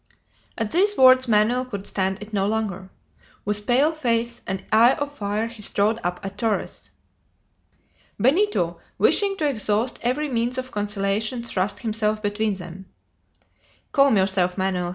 At these words Manoel could stand it no longer. With pale face and eye of fire he strode up to Torres. Benito, wishing to exhaust every means of conciliation, thrust himself between them. "Calm yourself, Manoel!"